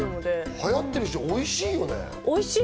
流行ってるし、おいしいよね。